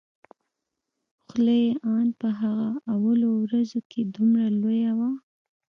خوله يې ان په هغه اولو ورځو کښې دومره لويه وه.